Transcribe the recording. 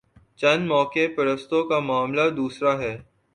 چند موقع پرستوں کا معاملہ دوسرا ہے۔